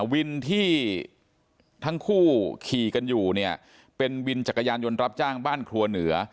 วินที่ทั้งคู่ขี่กันอยู่เนี่ยเป็นวินจักรยานยนต์รับจ้างบ้านครัวเหนือ